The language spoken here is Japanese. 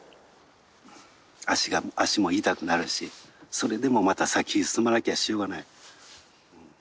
足も痛くなるしそれでもまた先へ進まなきゃしょうがない。